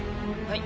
はい。